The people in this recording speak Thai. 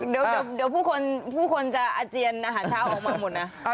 เดี๋ยวผู้คนจะอาเจียนอาหารเช้าออกมาหมดนะ